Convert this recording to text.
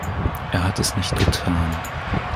Er hat es nicht getan.